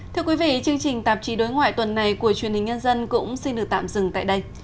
thưa quý vị chương trình tạp chí đối ngoại tuần này của truyền hình nhân dân cũng xin được tạm dừng tại đây